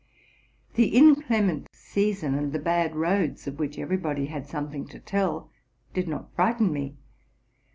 "The inclement season and the bad roads, of which everybody had something to tell, did not frighten me.